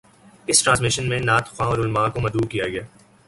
اس transmission میں نعت خواں اور علمأ کو مدعو کیا گیا